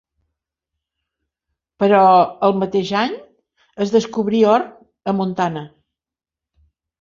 Però el mateix any es descobrí or a Montana.